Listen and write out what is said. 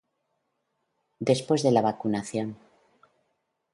después de la vacunación